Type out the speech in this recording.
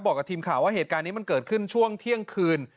กับทีมข่าวว่าเหตุการณ์นี้มันเกิดขึ้นช่วงเที่ยงคืน